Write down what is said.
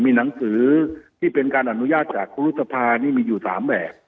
มีหนังสือที่เป็นการอนุญาตจากครูรุษภานี่มีอยู่๓แบบ